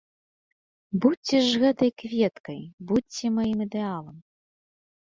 Будзьце ж гэтай кветкай, будзьце маім ідэалам!